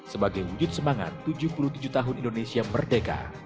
sebagai wujud semangat tujuh puluh tujuh tahun indonesia merdeka